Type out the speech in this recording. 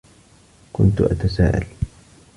كنت أتسائل